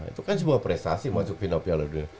itu kan sebuah prestasi masuk final piala dunia